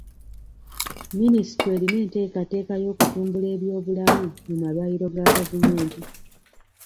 Minisitule erina enteekateeka y'okutumbula eby'obulamu mu malwaliro ga gavumenti.